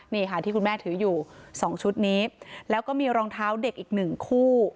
นี่ค่ะที่คุณแม่ถืออยู่สองชุดนี้แล้วก็มีรองเท้าเด็กอีกหนึ่งคู่